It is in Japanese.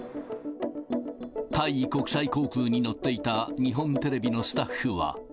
タイ国際航空に乗っていた日本テレビのスタッフは。